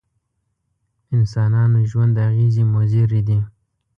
انسانانو ژوند اغېزې مضرې دي.